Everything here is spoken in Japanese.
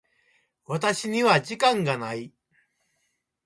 私には時間がない。